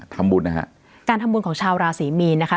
ทำบุญนะฮะการทำบุญของชาวราศรีมีนนะคะ